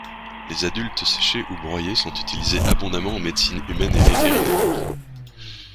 Les adultes séchés ou broyés sont utilisés abondamment en médecine humaine et vétérinaire.